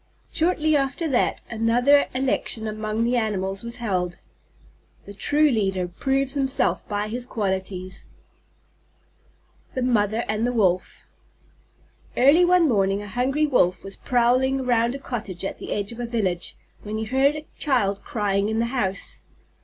Shortly after that, another election among the Animals was held. The true leader proves himself by his qualities. THE MOTHER AND THE WOLF Early one morning a hungry Wolf was prowling around a cottage at the edge of a village, when he heard a child crying in the house.